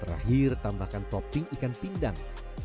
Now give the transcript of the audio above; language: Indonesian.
terakhir tambahkan topping ikan pindang